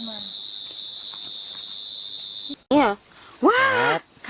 ประเทศแสงสวัสดิ์